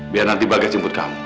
biar nanti bagai jemput kamu